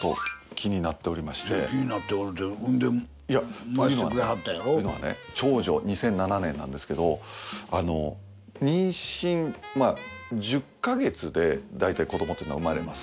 気になっておるって産んで診てくれはったんやろ？というのはね長女２００７年なんですけどあの妊娠１０か月でだいたい子どもっていうのは生まれます。